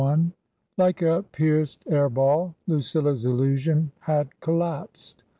Like a pierced air ball, Lucilla's illusion had collapsed.